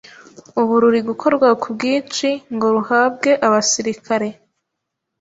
ubu ruri gukorwa ku bwinshi ngo ruhabwe abasirikare.